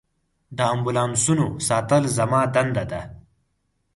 د امبولانسونو ساتل زما دنده ده.